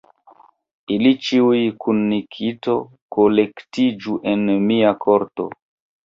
Ili ĉiuj kun Nikito kolektiĝu en mia korto.